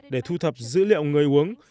để thu thập dữ liệu người uống